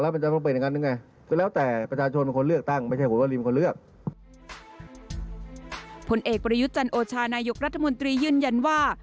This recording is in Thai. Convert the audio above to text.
ผลเอกประยุทธ์จันโอชานายกรัฐมนตรียืนยันว่า